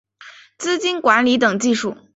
资金管理等技术